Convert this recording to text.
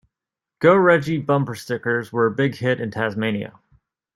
"Go Reggie" bumper stickers were a big hit in Tasmania.